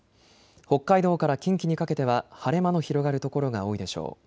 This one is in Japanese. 北海道から近畿にかけては晴れ間の広がるところが多いでしょう。